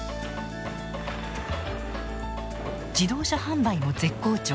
自動車販売も絶好調。